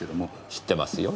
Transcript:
知ってますよ。